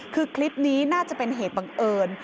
คือคลิปนี้น่าจะเป็นเหตุบังเอิญ